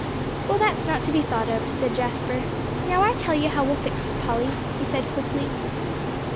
"Well, that's not to be thought of," said Jasper. "Now I tell you how we'll fix it, Polly," he said quickly.